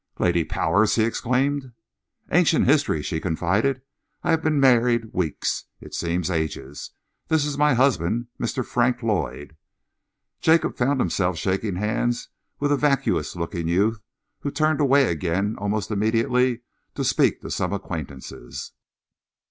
"Lady Powers!" he exclaimed. "Ancient history," she confided. "I have been married weeks it seems ages. This is my husband Mr. Frank Lloyd." Jacob found himself shaking hands with a vacuous looking youth who turned away again almost immediately to speak to some acquaintances.